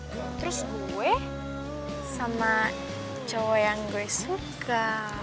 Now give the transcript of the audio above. terus gue sama cowok yang gue suka